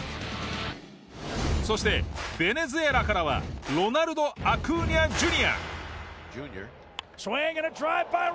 そしてベネズエラからはロナルド・アクーニャＪｒ．。